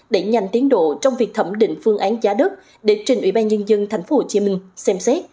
để nhanh tiến độ trong việc thẩm định phương án giá đất để trình ủy ban nhân dân tp hcm xem xét